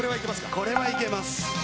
これはいけます。